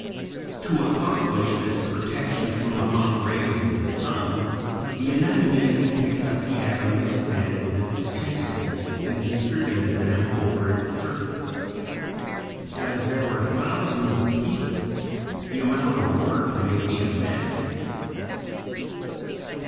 To accomplish this protection from the hot rays of the sun, the anemone had picked up the atoms of sand with its tentacles and distributed them over its surface. As there were thousands of pieces, the amount of work may be imagined.